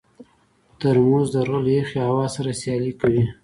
ترموز د غره له یخې هوا سره سیالي کوي.